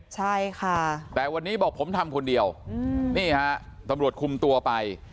ใช่ค่ะแต่วันนี้บอกผมทำคนเดียวนี่ฮะตำรวจคุมตัวไป